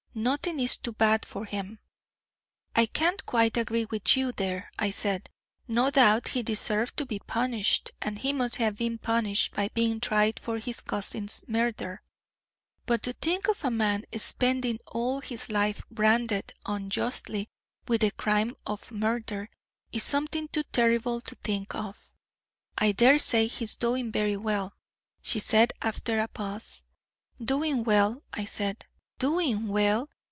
Nothing is too bad for him.' 'I can't quite agree with you there,' I said. 'No doubt he deserved to be punished, and he must have been punished by being tried for his cousin's murder; but to think of a man spending all his life, branded unjustly with the crime of murder, is something too terrible to think of.' 'I dare say he is doing very well,' she said, after a pause. 'Doing well,' I said, 'doing well!